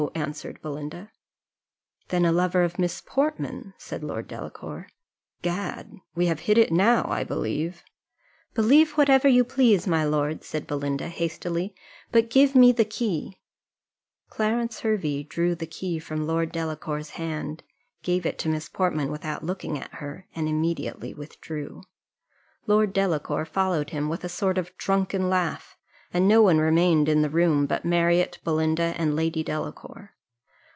answered Belinda. "Then a lover of Miss Portman?" said Lord Delacour. "Gad! we have hit it now, I believe." "Believe whatever you please, my lord," said Belinda, hastily, "but give me the key." Clarence Hervey drew the key from Lord Delacour's hand, gave it to Miss Portman without looking at her, and immediately withdrew. Lord Delacour followed him with a sort of drunken laugh; and no one remained in the room but Marriott, Belinda, and Lady Delacour.